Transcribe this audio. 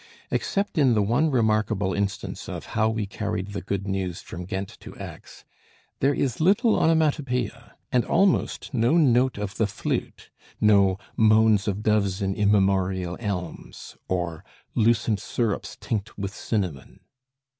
Except in the one remarkable instance of 'How we Carried the Good News from Ghent to Aix,' there is little onomatopoeia, and almost no note of the flute; no "moan of doves in immemorial elms" or "lucent sirops tinct with cinnamon."